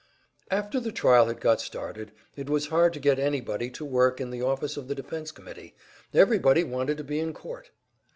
After the trial had got started it was hard to get anybody to work in the office of the Defense Committee everybody wanted to be in court!